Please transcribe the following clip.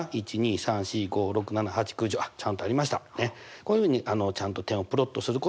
こういうふうにちゃんと点をプロットすることがね